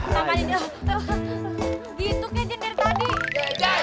jajan sunat jajan sunat jajan sunat